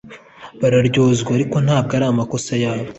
bararyozwa, ariko ntabwo ari amakosa yabo